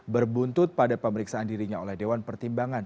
berbuntut pada pemeriksaan dirinya oleh dewan pertimbangan